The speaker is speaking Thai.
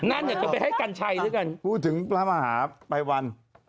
นนั่นจะไปให้กันติดพูดถึงปราหมาหาปริวัน